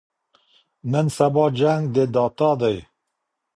نن سبا جنګ د ډاټا دی.